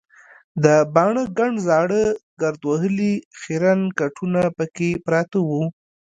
د باڼه ګڼ زاړه ګرد وهلي خیرن کټونه پکې پراته وو.